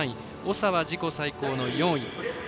長は自己最高の４位。